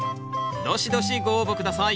どしどしご応募下さい